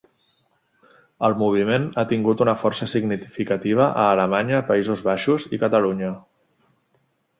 El moviment ha tingut una força significativa a Alemanya, Països Baixos i Catalunya.